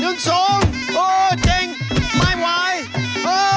โหเจ๊งไม่ไหว